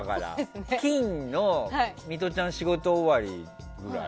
金のミトちゃんの仕事終わり。